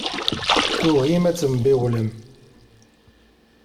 Tugim ad tembiwlem.